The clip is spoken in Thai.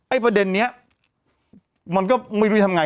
ประเด็นนี้มันก็ไม่รู้จะทำไง